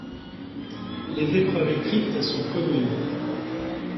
Les épreuves écrites sont communes.